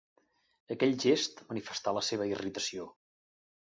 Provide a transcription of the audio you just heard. Aquell gest manifestà la seva irritació.